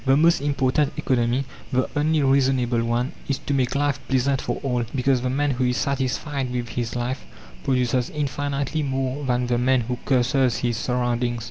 The most important economy, the only reasonable one, is to make life pleasant for all, because the man who is satisfied with his life produces infinitely more than the man who curses his surroundings.